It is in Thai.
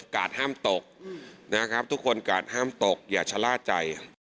กาดห้ามตกนะครับทุกคนกาดห้ามตกอย่าชะล่าใจ